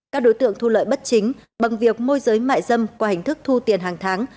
các đối tượng thu lợi bất chính bằng việc môi giới mại dâm qua hình thức thu tiền hàng tháng